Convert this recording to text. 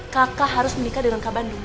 kakak harus menikah dengan kakak bandung